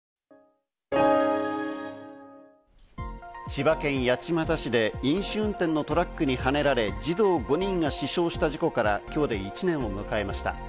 千葉県八街市で飲酒運転のトラックにはねられ、児童５人が死傷した事故から今日で１年を迎えました。